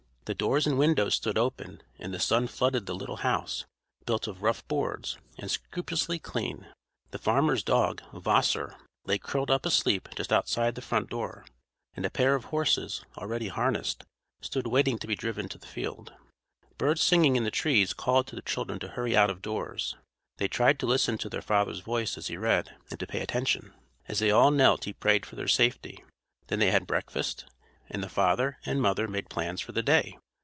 The doors and windows stood open, and the sun flooded the little house, built of rough boards, and scrupulously clean. The farmer's dog, Wasser, lay curled up asleep just outside the front door, and a pair of horses, already harnessed, stood waiting to be driven to the field. Birds singing in the trees called to the children to hurry out of doors. They tried to listen to their father's voice as he read, and to pay attention. As they all knelt he prayed for their safety. Then they had breakfast, and the father and mother made plans for the day.